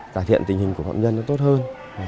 cải thiện tình hình của phạm nhân tốt hơn